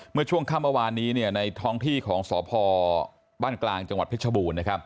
เมื่อช่วงค่ำเมื่อวานนี้ในท้องที่ของสพบ้านกลางจังหวัดเพชรบูรณ์